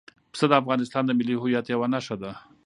پسه د افغانستان د ملي هویت یوه نښه ده.